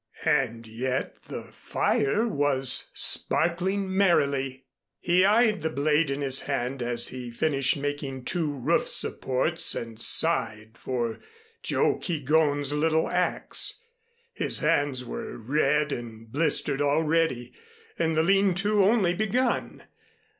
And yet the fire was sparkling merrily. He eyed the blade in his hand as he finished making two roof supports and sighed for Joe Keegón's little axe. His hands were red and blistered already and the lean to only begun.